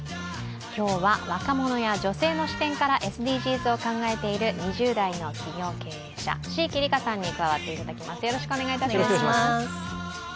今日は、若者や女性の視点からＳＤＧｓを考えている２０代の企業経営者、椎木里佳さんに加わってもらいます。